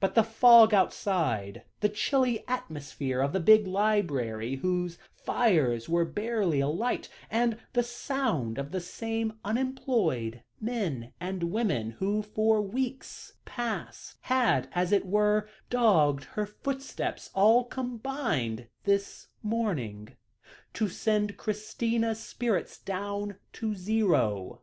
But the fog outside, the chilly atmosphere of the big library, whose fires were barely alight, and the sight of the same unemployed men and women who for weeks past had, as it were, dogged her footsteps, all combined this morning, to send Christina's spirits down to zero.